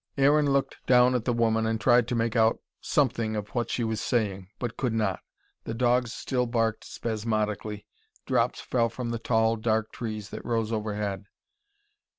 Aaron looked down at the woman and tried to make out something of what she was saying, but could not. The dogs still barked spasmodically, drops fell from the tall, dark trees that rose overhead.